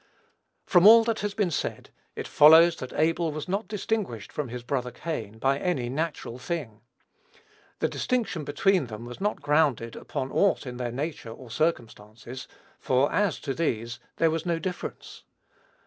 From all that has been said, it follows, that Abel was not distinguished from his brother Cain by any thing natural. The distinction between them was not grounded upon aught in their nature or circumstances, for, as to these, "there was no difference."